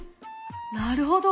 なるほど！